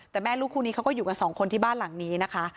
แต่แม่ลูกคู่นี้เขาก็อยู่กันสองคนที่บ้านหลังนี้นะคะ